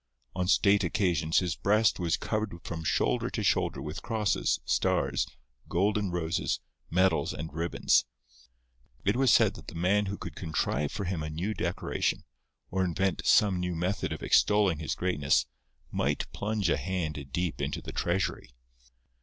On state occasions his breast was covered from shoulder to shoulder with crosses, stars, golden roses, medals and ribbons. It was said that the man who could contrive for him a new decoration, or invent some new method of extolling his greatness, might plunge a hand deep into the treasury.